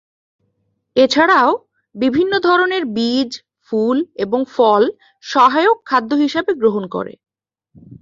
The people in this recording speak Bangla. এছাড়াও, বিভিন্ন ধরনের বীজ, ফুল এবং ফল সহায়ক খাদ্য হিসেবে গ্রহণ করে।